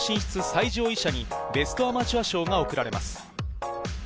最上位者にベストアマチュア賞が贈られます。